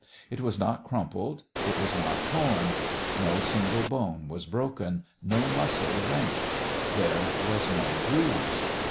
It was not crumpled, it was not torn; no single bone was broken, no muscle wrenched; there was no bruise.